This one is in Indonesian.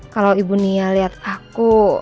kalau ibu nia lihat aku